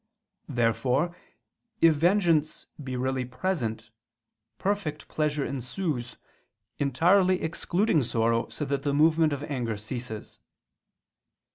Therefore if vengeance be really present, perfect pleasure ensues, entirely excluding sorrow, so that the movement of anger ceases.